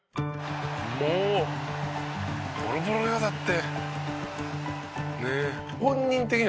「もうボロボロよだって」